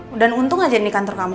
udah untung aja nih kantor kamu